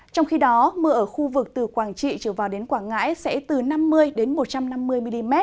trong khi đó mưa ở khu vực từ quảng trị trở vào đến quảng ngãi sẽ từ năm mươi một trăm năm mươi mm